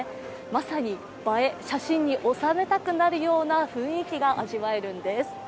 まさに映え写真に収めたくなるような雰囲気が味わえるんです。